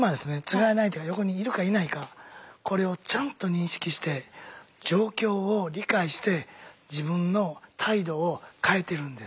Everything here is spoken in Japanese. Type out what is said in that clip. つがいの相手が横にいるかいないかこれをちゃんと認識して状況を理解して自分の態度を変えてるんです。